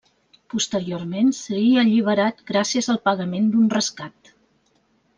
Posteriorment seria alliberat gràcies al pagament d'un rescat.